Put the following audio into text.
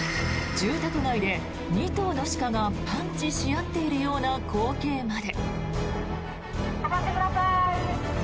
住宅街で２頭の鹿がパンチし合っているような光景まで。